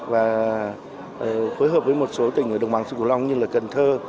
và phối hợp với một số tỉnh ở đồng bằng sư cửu long như là cần thơ